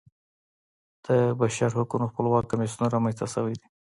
د بشرحقونو خپلواک کمیسیون رامنځته شوی دی.